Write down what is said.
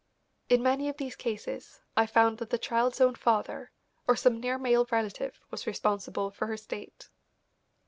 In many of these cases I found that the child's own father or some near male relative was responsible for her state.